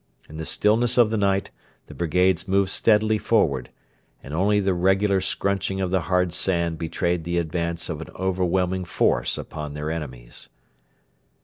In the stillness of the night the brigades moved steadily forward, and only the regular scrunching of the hard sand betrayed the advance of an overwhelming force upon their enemies.